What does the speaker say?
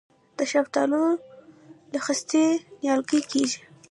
د شفتالو له خستې نیالګی کیږي؟